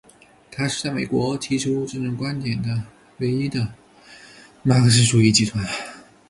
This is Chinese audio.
它是在美国提出这种观点的唯一的马克思主义集团。